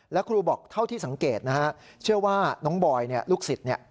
แล้วครูบอกเท่าที่สังเกตเชื่อว่าน้องบอยลูกสิทธิ์